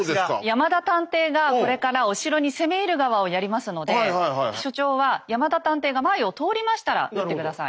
山田探偵がこれからお城に攻め入る側をやりますので所長は山田探偵が前を通りましたら撃って下さい。